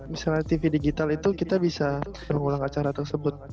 misalnya tv digital itu kita bisa mengulang acara tersebut